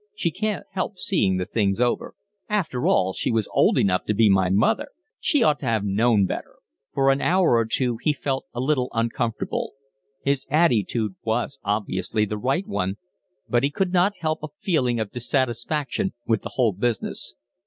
"She can't help seeing the thing's over. After all, she was old enough to be my mother; she ought to have known better." For an hour or two he felt a little uncomfortable. His attitude was obviously the right one, but he could not help a feeling of dissatisfaction with the whole business.